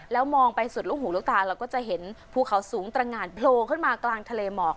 แล้วมองไปสุดลูกหูลูกตาเราก็จะเห็นภูเขาสูงตรงานโผล่ขึ้นมากลางทะเลหมอก